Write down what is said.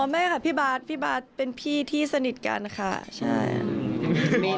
แม่ค่ะพี่บาทพี่บาทเป็นพี่ที่สนิทกันค่ะใช่